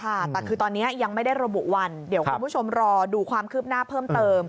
ค่ะแต่คือตอนนี้ยังไม่ได้ระบุวันเดี๋ยวคุณผู้ชมรอดูความคืบหน้าเพิ่มเติม